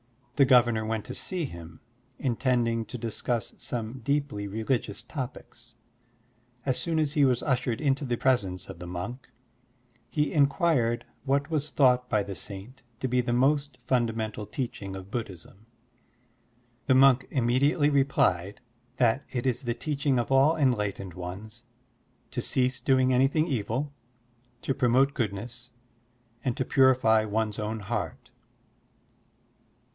The governor went to see him, intending to discuss some deeply religious topics. As soon as he was ushered into the presence of the monk, he inquired what was thought by the saint to be the most fundamental teaching of Buddhism. The monk immediately replied that it is the teaching of all enlightened ones to cease doing anything evil, to promote goodness, and to purify one's own heart.